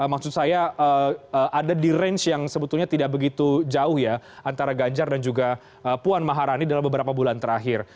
maksud saya ada di range yang sebetulnya tidak begitu jauh ya antara ganjar dan juga puan maharani dalam beberapa bulan terakhir